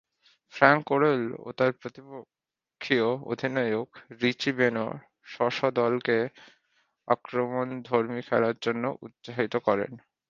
Frank Worrell ও তার প্রতিপক্ষীয় অধিনায়ক রিচি বেনো স্ব-স্ব দলকে আক্রমণধর্মী খেলার জন্যে উৎসাহিত করেন।